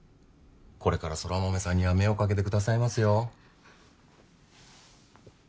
これから空豆さんには目をかけてくださいますよ